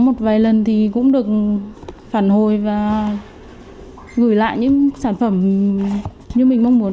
một vài lần thì cũng được phản hồi và gửi lại những sản phẩm như mình mong muốn